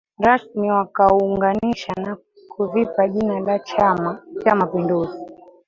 Rasmi wakaunganisha na kuvipa jina la chama cha mapinduzi